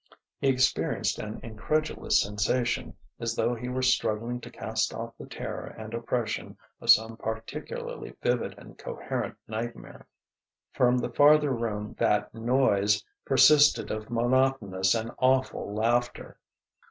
He experienced an incredulous sensation, as though he were struggling to cast off the terror and oppression of some particularly vivid and coherent nightmare. From the farther room that noise persisted of monotonous and awful laughter.